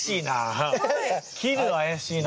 切るは怪しいな。